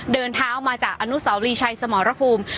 เดินทางออกมาจากอันุสลมลีชายสมรภูมิ